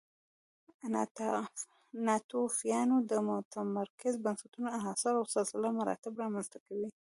ناتوفیانو د متمرکزو بنسټونو عناصر او سلسله مراتب رامنځته کړل